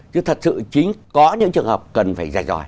chứ thật sự chính có những trường hợp cần phải giải giỏi